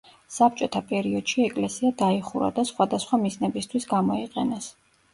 საბჭოთა პერიოდში ეკლესია დაიხურა და სხვადასხვა მიზნებისთვის გამოიყენეს.